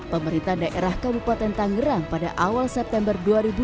pemerintah daerah kabupaten tangerang pada awal september dua ribu dua puluh